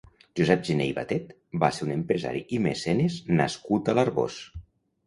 Josep Gener i Batet va ser un empresari i mecenes nascut a l'Arboç.